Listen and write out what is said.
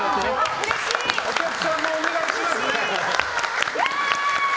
お客さんもお願いしますね。